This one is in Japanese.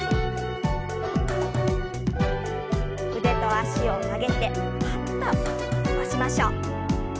腕と脚を上げてパッと伸ばしましょう。